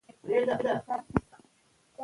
تاسو باید د تاریخ په اړه فکر وکړئ.